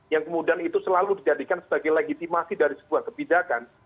yang kemudian itu selalu dijadikan sebagai legitimasi dari sebuah kebijakan